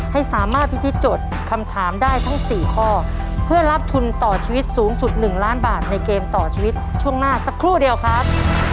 ให้สามารถพิธีโจทย์คำถามได้ทั้ง๔ข้อเพื่อรับทุนต่อชีวิตสูงสุด๑ล้านบาทในเกมต่อชีวิตช่วงหน้าสักครู่เดียวครับ